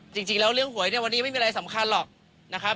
จริงแล้วเรื่องหวยเนี่ยวันนี้ไม่มีอะไรสำคัญหรอกนะครับ